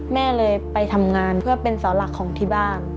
แม่เลยไปทำงานเพื่อเป็นเสาหลักของที่บ้าน